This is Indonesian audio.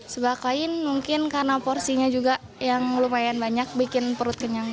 sebab kain mungkin karena porsinya juga yang lumayan banyak bikin perut kenyang